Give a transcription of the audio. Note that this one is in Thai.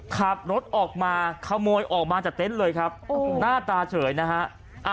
ขับรถออกมาขโมยออกมาจากเต็นต์เลยครับหน้าตาเฉยนะฮะ